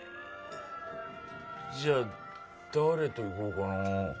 じゃあ誰と行こうかな。